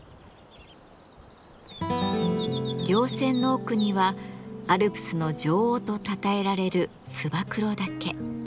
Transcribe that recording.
稜線の奥にはアルプスの女王とたたえられる燕岳。